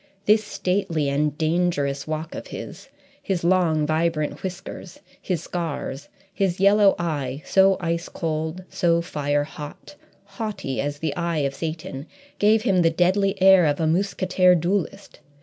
This stately and dangerous walk of his, his long, vibrant whiskers, his scars, his yellow eye, so ice cold, so fire hot, haughty as the eye of Satan, gave him the deadly air of a mousquetaire duellist.